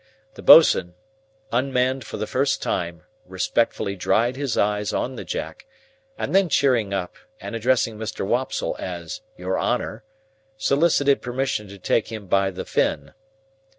The boatswain, unmanned for the first time, respectfully dried his eyes on the Jack, and then cheering up, and addressing Mr. Wopsle as Your Honour, solicited permission to take him by the fin.